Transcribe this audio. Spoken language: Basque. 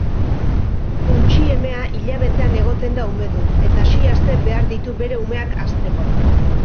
Untxi emea hilabetean egoten da umedun eta sei aste behar ditu bere umeak hazteko.